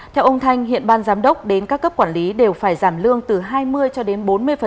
theo ông thanh hiện ban giám đốc đến các cấp quản lý đều phải giảm lương từ hai mươi cho đến bốn mươi